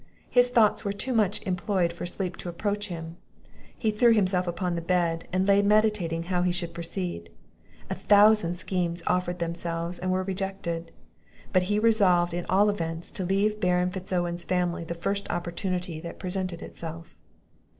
His thoughts were too much employed for sleep to approach him; he threw himself upon the bed, and lay meditating how he should proceed; a thousand schemes offered themselves and were rejected; But he resolved, at all events, to leave Baron Fitz Owen's family the first opportunity that presented itself.